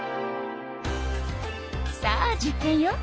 さあ実験よ。